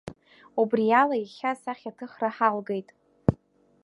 Убриала иахьа асахьаҭыхра ҳалгеит.